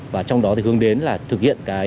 và trong đó thì hướng đến là thực hiện